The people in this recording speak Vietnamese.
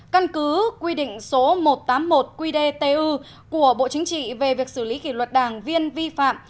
căn cứ quy định số một trăm tám mươi một qdtu của bộ chính trị về việc xử lý kỷ luật đảng viên vi phạm